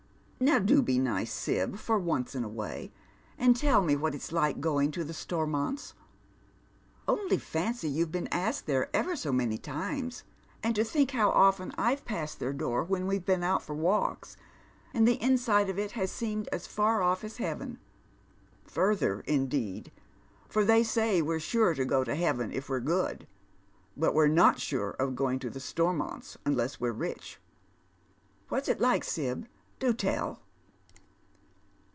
Now do be nice. Sib, for once in a way, and tell me what it's like going to the Stormonts. Only fancy you're being asked there ever so many times ; and to think how often I've passed their door when we've been out for walks, and the inside of it has seemed as far off as heaven ; further, indeed, for they say we're sure to go to heaven if we're good, but we're not wire of going to the Stor monts unless we're rich. What's it hke. Sib ? do tell."